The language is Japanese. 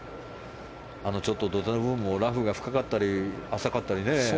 ちょっと土手の部分もラフが深かったり浅かったりね。